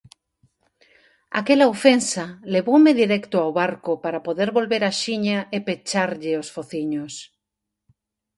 Aquela ofensa levoume directo ao barco para poder volver axiña e pecharlle os fociños.